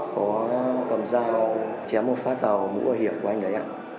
có cầm dao chém một phát vào mũ hiểm của anh ấy